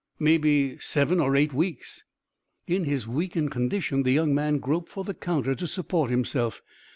"Maybe seven or eight weeks." In his weakened condition the young man groped for the counter to support himself.